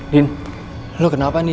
din lu kenapa